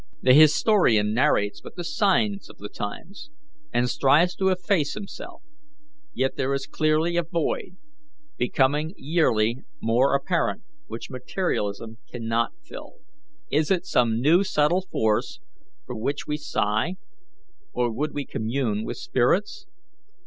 The historian narrates but the signs of the times, and strives to efface himself; yet there is clearly a void, becoming yearly more apparent, which materialism cannot fill. Is it some new subtle force for which we sigh, or would we commune with spirits?